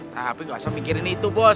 tapi nggak usah mikirin itu bos